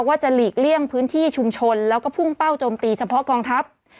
จะหลีกเลี่ยงพื้นที่ชุมชนแล้วก็พุ่งเป้าโจมตีเฉพาะกองทัพ